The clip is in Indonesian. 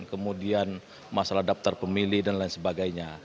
kemudian masalah daftar pemilih dan lain sebagainya